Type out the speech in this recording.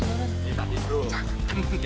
ini tadi bro